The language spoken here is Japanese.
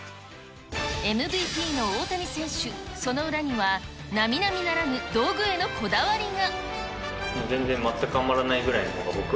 ＭＶＰの大谷選手、その裏には、なみなみならぬ道具へのこだわりが。